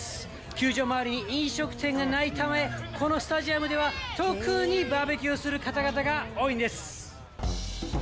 球場周りに飲食店がないため、このスタジアムでは、特にバーベキューする方々が多いんです。